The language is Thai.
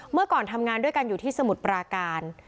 เมื่อก่อนทำงานด้วยกันอยู่ที่สมุทรปราการ